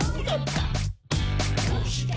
「どうして？